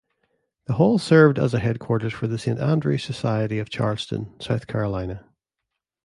The hall served as headquarters for the Saint Andrew's Society of Charleston, South Carolina.